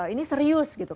ini serius gitu